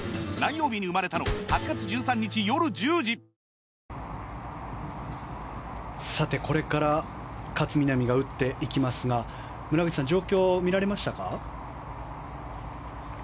畑岡選手距離も出ますしこれから勝みなみが打っていきますが村口さん、状況見られましたか？